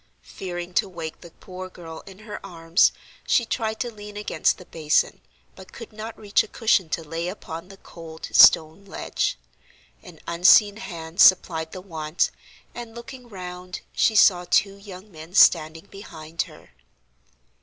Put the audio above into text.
Fearing to wake the poor girl in her arms, she tried to lean against the basin, but could not reach a cushion to lay upon the cold stone ledge. An unseen hand supplied the want, and, looking round, she saw two young men standing behind her.